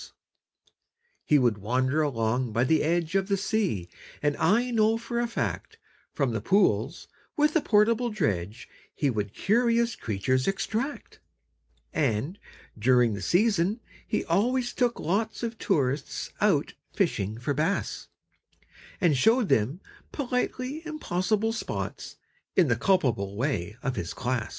He would wander along by the edge Of the sea, and I know for a fact From the pools with a portable dredge He would curious creatures extract: And, during the season, he always took lots Of tourists out fishing for bass, And showed them politely impossible spots, In the culpable way of his class.